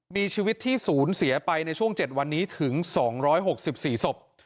มีชีวิตที่ศูนย์เสียไปในช่วง๗วันนี้ถึง๒๖๔ศพ